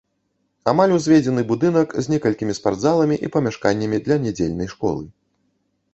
Амаль узведзены будынак, з некалькімі спортзаламі і памяшканнямі для нядзельнай школы.